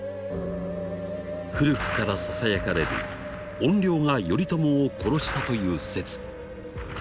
古くからささやかれる「怨霊」が頼朝を殺したという説。